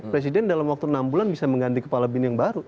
presiden dalam waktu enam bulan bisa mengganti kepala bin yang baru